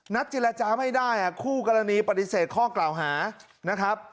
เจรจาไม่ได้คู่กรณีปฏิเสธข้อกล่าวหานะครับ